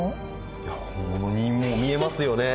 いや本物に見えますよね。